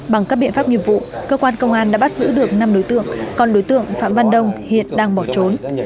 bằng các biện pháp nghiệp vụ cơ quan công an đã bắt giữ được năm đối tượng còn đối tượng phạm văn đông hiện đang bỏ trốn